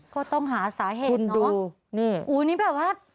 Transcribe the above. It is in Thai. ก็ต้องหาสาเหตุคุณดูนี่อู๋นี่แบบว่า